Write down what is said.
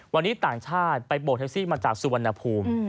วันนี้ต่างชาติไปโบกแท็กซี่มาจากสุวรรณภูมิ